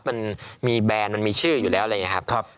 มันมีแบรนด์มันมีชื่ออยู่แล้วอะไรอย่างนี้ครับ